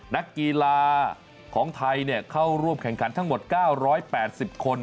นักกีฬาของไทยเข้าร่วมแข่งขันทั้งหมด๙๘๐คน